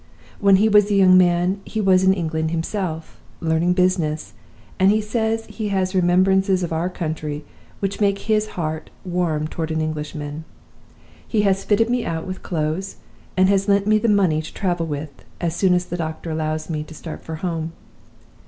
When he was a young man he was in England himself, learning business, and he says he has remembrances of our country which make his heart warm toward an Englishman. He has fitted me out with clothes, and has lent me the money to travel with, as soon as the doctor allows me to start for home.